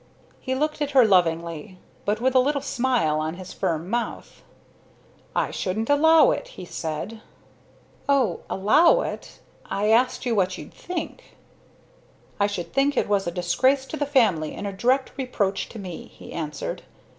He looked at her lovingly, but with a little smile on his firm mouth. "I shouldn't allow it," he said. "O allow it? I asked you what you'd think." "I should think it was a disgrace to the family, and a direct reproach to me," he answered.